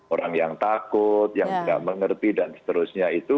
orang yang takut yang tidak mengerti dan seterusnya itu